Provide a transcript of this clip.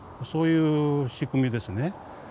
そういう仕組みですね。